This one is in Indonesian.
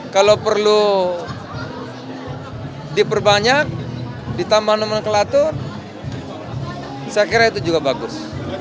kalau perlu diperbanyak ditambah nomenklatur saya kira itu juga bagus